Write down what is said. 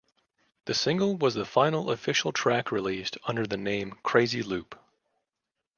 The single was the final official track released under the name Crazy Loop.